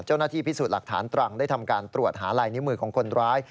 เจ้าหน้าที่พิสูจน์หลักฐานตรังได้ทำการตรวจหาลายนิ้วมือของคนร้าย